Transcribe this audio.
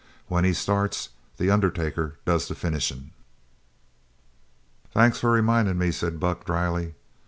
When he starts the undertaker does the finishin'!" "Thanks for remindin' me," said Buck drily.